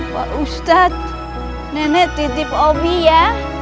pak ustadz nenek titip obi ya